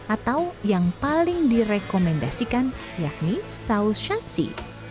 atau yang paling direkomendasikan yakni saus shansi